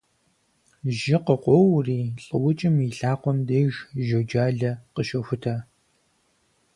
Жьы къыкъуоури лӏыукӏым и лъакъуэм деж жьуджалэ къыщохутэ.